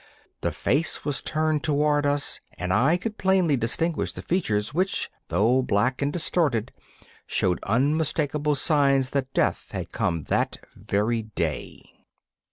The face was turned toward us, and I could plainly distinguish the features, which, though black and distorted, showed unmistakable signs that death had come that very day.